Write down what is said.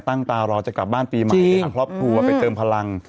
ตารอจะกลับบ้านปีใหม่ไปหาครอบครัวไปเติมพลัง